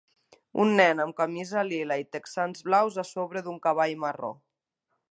Un nen amb camisa lila i texans blaus a sobre d'un cavall marró